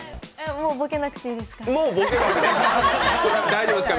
もうボケなくていいですか？